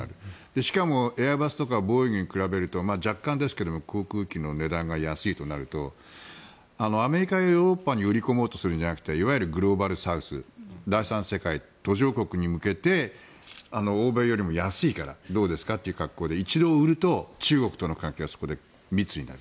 しかも、エアバスとかボーイングに比べると若干ですが航空機の値段が安いとなるとアメリカやヨーロッパに売り込もうとするんじゃなくていわゆるグローバルサウス第三世界途上国に向けて欧米よりも安いからどうですかという格好で一度売ると中国との関係がそこで密になる。